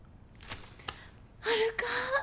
はるか。